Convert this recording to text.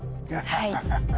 はい。